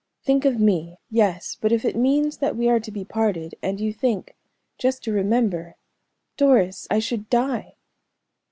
"Think of me! Yes, but if it means that we are to be parted, and you think just to remember Doris, I should die!"